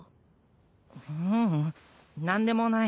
ΔΔ何でもない。